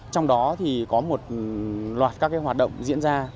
trong đó thì có một loạt các hoạt động diễn ra